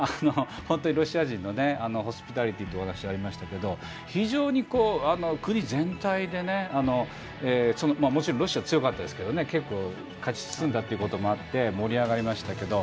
ロシア人のホスピタリティーというお話がありましたけど非常に国全体で、もちろんロシアは強かったですけど結構、勝ち進んだということもあって盛り上がりましたけど。